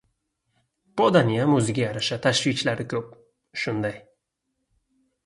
Podaniyam o‘ziga yarasha tashvishlari ko‘p, shunday.